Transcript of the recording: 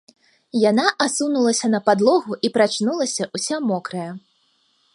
Яна асунулася на падлогу і прачнулася ўся мокрая.